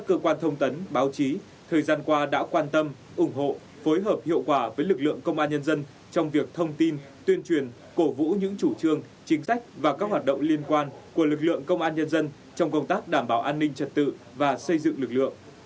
cơ quan thông tấn báo chí thời gian qua đã quan tâm ủng hộ phối hợp hiệu quả với lực lượng công an nhân dân trong việc thông tin tuyên truyền cổ vũ những chủ trương chính sách và các hoạt động liên quan của lực lượng công an nhân dân trong công tác đảm bảo an ninh trật tự và xây dựng lực lượng